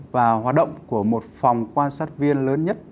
và hoạt động của một phòng quan sát viên lớn nhất